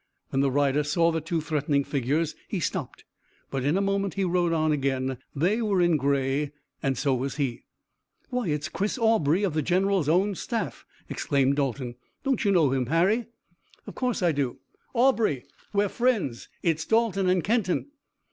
When the rider saw the two threatening figures he stopped, but in a moment he rode on again. They were in gray and so was he. "Why, it's Chris Aubrey of the general's own staff!" exclaimed Dalton. "Don't you know him, Harry?" "Of course I do. Aubrey, we're friends. It's Dalton and Kenton."